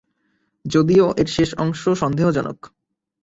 যদিও এর শেষ অংশ সন্দেহ জনক।